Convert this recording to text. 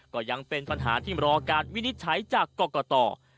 ก็ยังเป็นปัญหาที่รอการวินิจฉัยจากกรกต